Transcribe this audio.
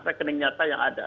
rekening nyata yang ada